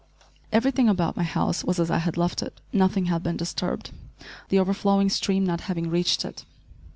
* Everything about my house was as I had left it. Nothing had been disturbed, the overflowing stream not having reached it.